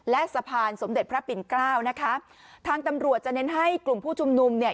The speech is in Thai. และสะพานสมเด็จพระปิ่นเกล้านะคะทางตำรวจจะเน้นให้กลุ่มผู้ชุมนุมเนี่ย